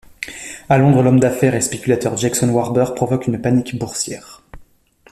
À Londres, l'homme d'affaires et spéculateur Jackson Harber provoque une panique boursière.